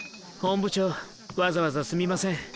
本部長わざわざすみません。